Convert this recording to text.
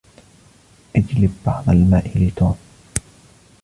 اجلب بعض الماء لتوم.